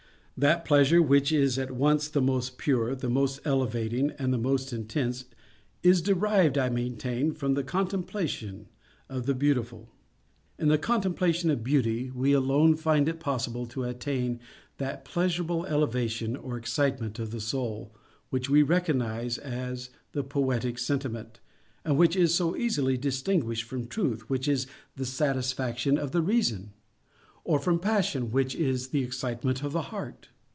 _That _pleasure which is at once the most pure, the most elevating, and the most intense, is derived, I maintain, from the contemplation of the Beautiful. In the contemplation of Beauty we alone find it possible to attain that pleasurable elevation, or excitement _of the soul, _which we recognize as the Poetic Sentiment, and which is so easily distinguished from Truth, which is the satisfaction of the Reason, or from Passion, which is the excitement of the heart.